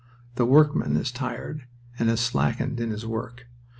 The workman is tired and has slackened in his work.